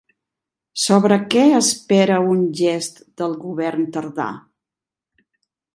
Sobre què espera un gest del govern Tardà?